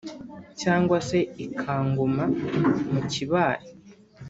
cyangwa se i-Kangoma mu Kibali